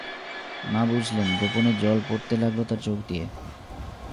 মা বুঝলেন, গোপনে জল পড়তে লাগল তাঁর চোখ দিয়ে।